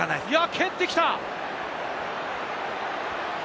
蹴ってきた！